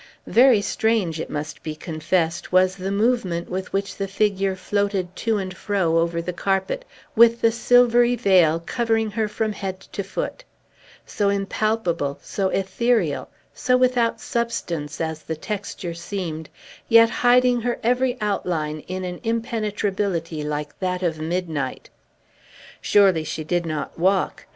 Very strange, it must be confessed, was the movement with which the figure floated to and fro over the carpet, with the silvery veil covering her from head to foot; so impalpable, so ethereal, so without substance, as the texture seemed, yet hiding her every outline in an impenetrability like that of midnight. Surely, she did not walk!